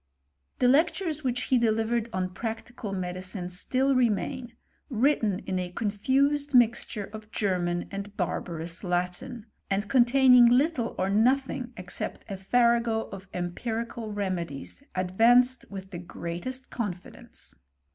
.. The lectures which he delivered on Practical Medi;^ cine still remain, written in a confused mixture oS( German and barbarous Latin, and containing little ot nothing except a farrago of empirical remedies, ad vanced with the greatest confidence.